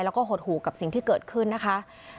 แล้วก็หดหู่กับสิ่งที่เกิดขึ้นนะคะ